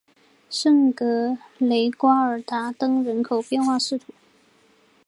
圣格雷瓜尔达登人口变化图示